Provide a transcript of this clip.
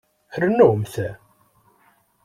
Rnumt!